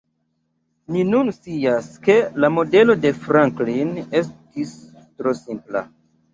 Ni nun scias ke la modelo de Franklin estis tro simpla.